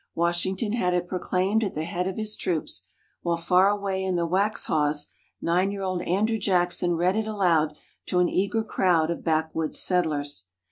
Washington had it proclaimed at the head of his troops; while far away in the Waxhaws, nine year old Andrew Jackson read it aloud to an eager crowd of backwoods settlers.